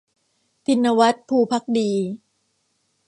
ทินวัฒน์ ภูภักดี